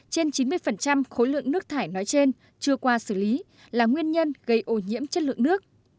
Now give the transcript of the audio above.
trên chín mươi khối lượng nước thải nói trên chưa qua xử lý là nguyên nhân gây ô nhiễm chất lượng nước